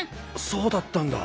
そうだったんだ！